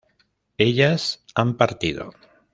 ellas han partido